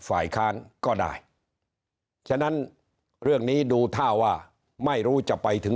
ฝ่ายค้านก็ได้ฉะนั้นเรื่องนี้ดูท่าว่าไม่รู้จะไปถึง